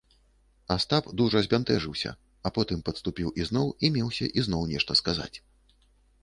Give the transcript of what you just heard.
Астап дужа збянтэжыўся, а потым падступіў ізноў і меўся ізноў нешта сказаць.